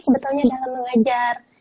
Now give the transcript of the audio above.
sebetulnya dalam belajar